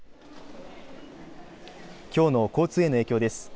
きょうの交通への影響です。